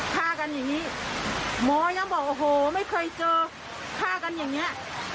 ฆ่ากันอย่างนี้หมอยังบอกโอ้โหไม่เคยเจอฆ่ากันอย่างนี้